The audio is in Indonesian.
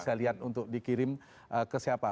saya lihat untuk dikirim ke siapa